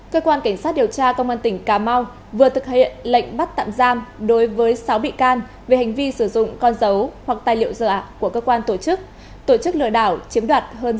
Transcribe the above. cơ quan cảnh sát điều tra công an tỉnh cà mau vừa thực hiện lệnh bắt tạm giam đối với sáu bị can về hành vi sử dụng con dấu hoặc tài liệu của cơ quan tổ chức tổ chức lừa đảo chiếm đoạt hơn